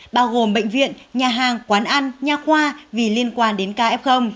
bao gồm bệnh viện nhà hàng quán ăn nhà khoa vì liên quan đến kf